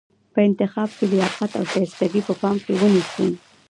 په انتخاب کې لیاقت او شایستګي په پام کې ونیسو.